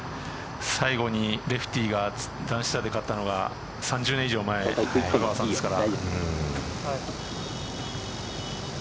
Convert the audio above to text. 最後にレフティーが男子ツアーで勝ったのが３０年以上前ですから。